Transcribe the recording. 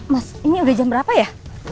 mas ini udah jam berapa ya